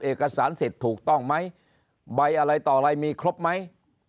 เอกสารเสร็จถูกต้องไหมใบอะไรต่อลายมีครบไหม